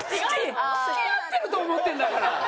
付き合ってると思ってんだから！